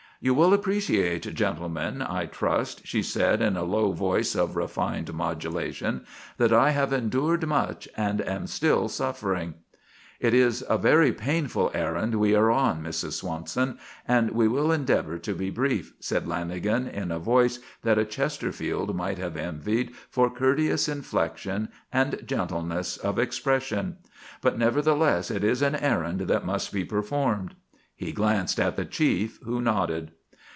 "You will appreciate, gentlemen, I trust," she said in a low voice of refined modulation, "that I have endured much and am still suffering." "It is a very painful errand we are on, Mrs. Swanson, and we will endeavour to be brief," said Lanagan in a voice that a Chesterfield might have envied for courteous inflection and gentleness of expression, "but nevertheless it is an errand that must be performed." He glanced at the chief, who nodded.